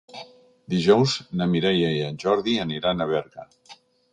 Dijous na Mireia i en Jordi aniran a Berga.